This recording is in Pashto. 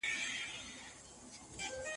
د دهقانانو د کار کولو صلاحيت زياتوالی مومي.